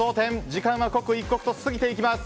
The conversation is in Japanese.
時間は刻一刻と過ぎていきます。